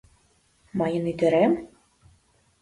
Мыйын ӱдырем?